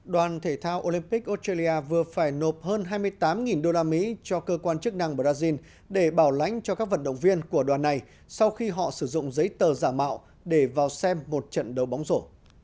đoàn thể thao olympic australia vừa phải nộp hơn hai mươi tám usd cho cơ quan chức năng brazil để bảo lãnh cho các vận động viên của đoàn này sau khi họ sử dụng giấy tờ giả mạo để vào xem một trận đấu bóng rổ